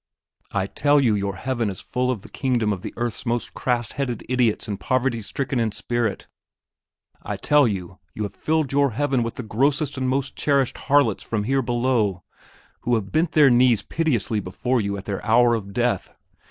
I tell you your Heaven is full of the kingdom of the earth's most crass headed idiots and poverty stricken in spirit! I tell you, you have filled your Heaven with the grossest and most cherished harlots from here below, who have bent their knees piteously before you at their hour of death!